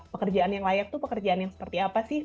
pekerjaan yang layak tuh pekerjaan yang seperti apa sih